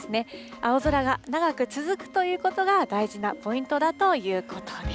青空が長く続くということが大事なポイントだということです。